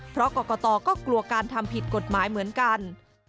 เพราะกรกตก็กลัวการทำผิดกฎหมายเหมือนกัน